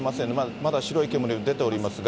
まだ白い煙が出ておりますが。